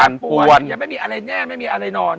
ปวดยังไม่มีอะไรแน่ไม่มีอะไรนอน